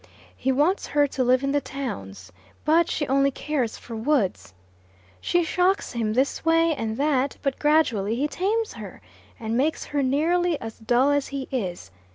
He wants her to live in the towns, but she only cares for woods. She shocks him this way and that, but gradually he tames her, and makes her nearly as dull as he is.